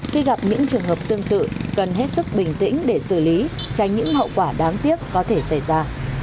khi gặp những trường hợp tương tự cần hết sức bình tĩnh để xử lý tránh những hậu quả đáng tiếc có thể xảy ra